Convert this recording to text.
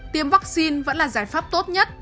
tiêm vaccine vẫn là giải pháp tốt nhất